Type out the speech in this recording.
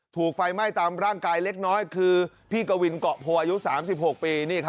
ถูกไฟไหม้ตามร่างกายเล็กน้อยคือพี่กวินเกาะโพอายุ๓๖ปี